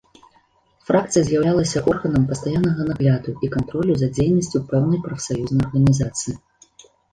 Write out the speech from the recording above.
Фракцыя з'яўлялася органам пастаяннага нагляду і кантролю за дзейнасцю пэўнай прафсаюзнай арганізацыі.